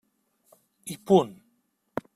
I punt.